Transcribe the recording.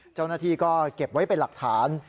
เจ้าหน้าที่ก็เก็บไว้เป็นหลักฐาน